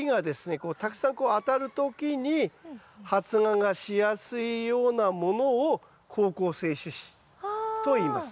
こうたくさんこう当たる時に発芽がしやすいようなものを好光性種子といいます。